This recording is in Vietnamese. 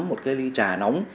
một ly trà nóng